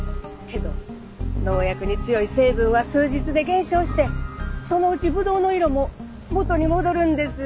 けど農薬に強い成分は数日で減少してそのうちぶどうの色も元に戻るんです。